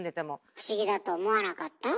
不思議だと思わなかった？